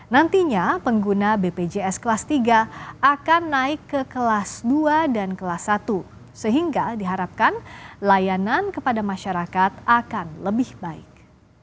nantinya pengguna bpjs kelas tiga akan naik ke kelas dua dan kelas satu sehingga diharapkan layanan kepada masyarakat akan lebih baik